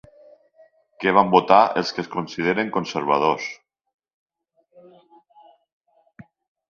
Què van votar els que es consideren conservadors?